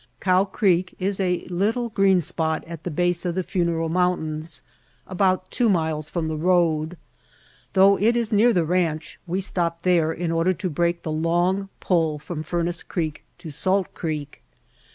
Cow Creek is a little green spot at the base of the Funeral Mountains about two miles from the road. Though it is near the ranch we stopped there in order to break the long pull from Furnace Creek to Salt Creek.